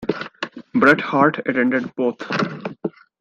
Bret Hart attended both.